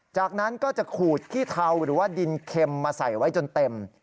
จากนั้นก็จะขูดขี้เทาหรือว่าดินเค็มมาใส่ไว้จนเต็ม